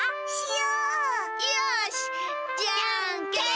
よしじゃんけん。